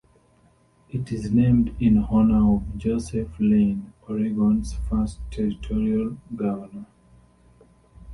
It is named in honor of Joseph Lane, Oregon's first territorial governor.